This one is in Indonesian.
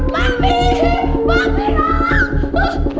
mampi mampi dong